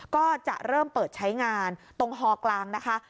ก็จะเริ่มเปิดใช้งานตรงฮอกลางนะคะ